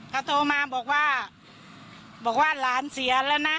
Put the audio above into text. เขาโทรมาบอกว่าบอกว่าหลานเสียแล้วนะ